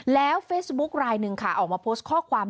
แล้วเฟซบุ๊คลายหนึ่งค่ะออกมาโพสต์ข้อความ